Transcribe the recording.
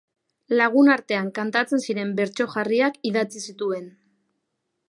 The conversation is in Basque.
Lagunartean kantatzen ziren bertso jarriak idatzi zituen.